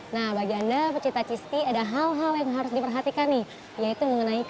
nah bagi anda pecinta cheese tea ada hal hal yang harus diperhatikan nih yaitu mengenai